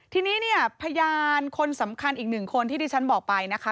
ทีนี้เนี่ยพยานคนสำคัญอีกหนึ่งคนที่ที่ฉันบอกไปนะคะ